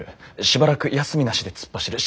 しばらく休みなしで突っ走る。